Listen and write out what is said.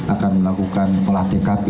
akan melakukan pola tkp